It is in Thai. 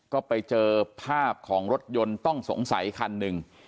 ก็ไปเจอภาพของรถยนต์ต้องสงสัยคันหนึ่ง